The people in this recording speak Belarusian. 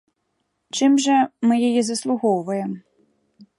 Чым жа мы яе заслугоўваем?